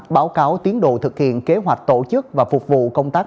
báo cáo tiến độ thực hiện kế hoạch tổ chức và phục vụ công tác